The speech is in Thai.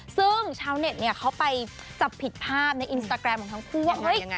ซึ่งชาวเน็ตเนี่ยเขาไปจับผิดภาพในอินสตาแกรมของทั้งคู่ว่าเฮ้ย